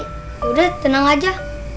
sudah tenang saja